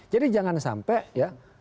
jadi jangan sampai ya